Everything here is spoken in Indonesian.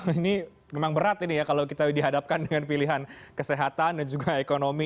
ini memang berat ini ya kalau kita dihadapkan dengan pilihan kesehatan dan juga ekonomi